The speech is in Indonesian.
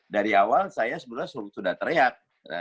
dari awal saya sebenarnya sudah teriak